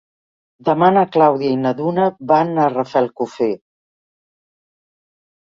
Demà na Clàudia i na Duna van a Rafelcofer.